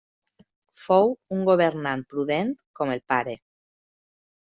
Fou un governant prudent com el pare.